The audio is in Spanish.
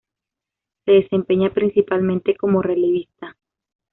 Se desempeña principalmente como relevista.